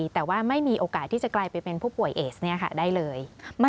แต่ว่าไม่มีโอกาสที่จะกลายไปเป็นผู้ป่วยเอสได้เลย